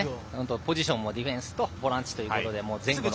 ポジションもディフェンスとボランチということで。